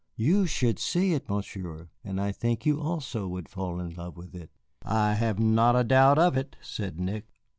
"You should see it, Monsieur, and I think you also would fall in love with it." "I have not a doubt of it," said Nick.